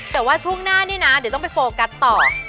แต่ว่าช่วงหน้านี่นะเดี๋ยวต้องไปโฟกัสต่อ